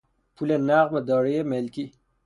پول نقد و دارایی ملکی